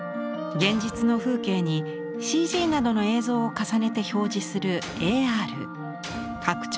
現実の風景にＣＧなどの映像を重ねて表示するＡＲ拡張